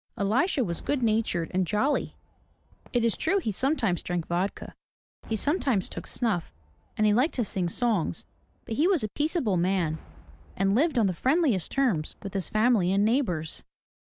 Elisha was good natured and jolly. It is true he sometimes drank vodka, he sometimes took snuff and he liked to sing songs; but he was a peaceable man and lived on the friendliest terms with his family and neighbors.